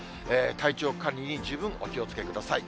体調管理に十分お気をつけください。